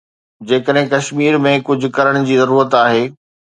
جيڪڏهن ڪشمير ۾ ڪجهه ڪرڻ جي ضرورت آهي.